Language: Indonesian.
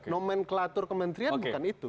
nomenklatur kementerian bukan itu